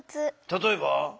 たとえば？